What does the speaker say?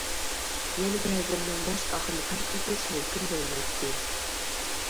يەنە بەزىلىرىنىڭ باش-ئاخىرىنى پەرق ئېتىش مۇمكىن بولمايتتى.